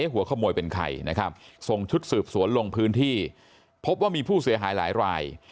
หัวขโมยเป็นใครนะครับส่งชุดสืบสวนลงพื้นที่พบว่ามีผู้เสียหายหลายราย